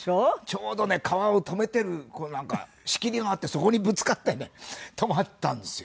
ちょうどね川を止めてるなんか仕切りがあってそこにぶつかってね止まったんですよ。